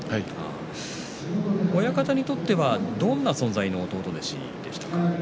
親方にとってはどんな存在の弟弟子でしたか？